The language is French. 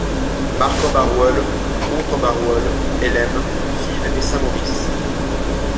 Marcq-en-Baroeul, Mons-en-Baroeul, Hellemmes, Fives et St-Maurice.